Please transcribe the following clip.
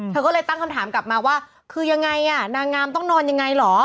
เธอก็เลยตั้งคำถามกลับมาว่าคือยังไงอ่ะนางงามต้องนอนยังไงเหรอ